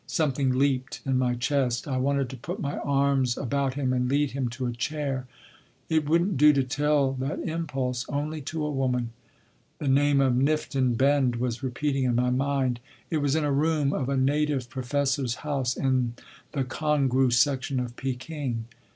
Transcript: Something leaped in my chest. I wanted to put my arms about him and lead him to a chair. It wouldn’t do to tell that impulse—only to a woman.... The name of Nifton Bend was repeating in my mind. It was in a room of a native professor’s house in the Congrou section of Peking.